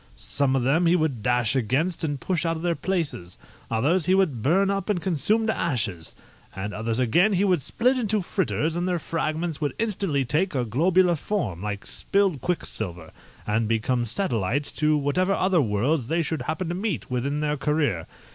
Some of them he would dash against and push out of their places; others he would burn up and consume to ashes: and others again he would split into fritters, and their fragments would instantly take a globular form, like spilled quicksilver, and become satellites to whatever other worlds they should happen to meet with in their career.